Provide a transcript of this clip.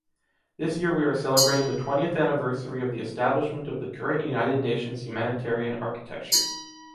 This year we are celebrating the twentieth anniversary of the establishment of the current United Nations humanitarian architecture.